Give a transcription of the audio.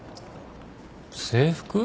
制服？